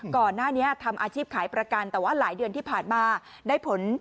ก่อนหน้านี้ทำอาชีพขายประกันแต่ว่าหลายเดือนที่ผ่านมาได้ผล